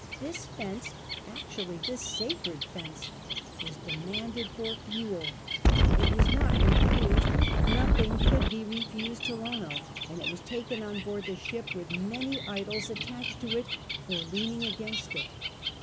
This fence — actually this sacred fence — w^as demanded for fuel; it was not refused — nothing could be refused to Lono — and it was taken on board the ship, with many idols attached to it or leiinirig against it.